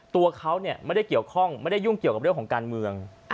ตัวเขาไม่ได้เกี่ยวข้องไม่ได้ยุ่งเกี่ยวกับเรื่องของการเมือง